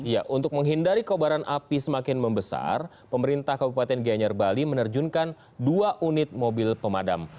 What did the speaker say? ya untuk menghindari kobaran api semakin membesar pemerintah kabupaten gianyar bali menerjunkan dua unit mobil pemadam